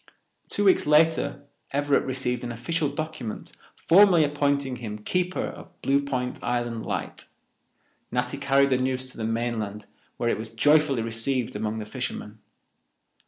Two weeks later Everett received an official document formally appointing him keeper of Blue Point Island light. Natty carried the news to the mainland, where it was joyfully received among the fishermen.